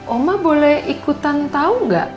oma boleh ikutan tau gak